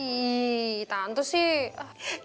jadi gimana gimana kamu mau bantuin tante kan